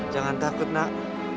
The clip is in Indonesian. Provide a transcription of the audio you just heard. jangan takut nak